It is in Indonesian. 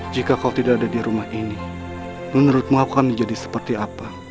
jika kau tidak ada di rumah ini menurutmu aku akan menjadi seperti apa